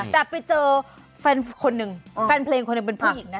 แต่ไปเจอแฟนคนหนึ่งแฟนเพลงคนหนึ่งเป็นผู้หญิงนะ